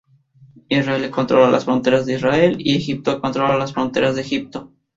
Israel controla las fronteras de Israel y Egipto controla las fronteras de Egipto.